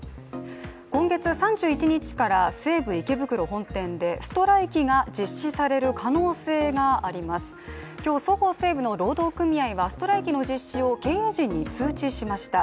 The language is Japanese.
今月３１日から西武池袋本店でストライキが実施される可能性があります、今日、そごう・西武の労働組合はストライキを通告しました。